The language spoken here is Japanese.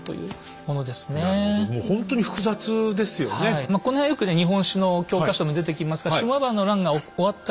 はいこの辺よく日本史の教科書に出てきますが島原の乱が終わった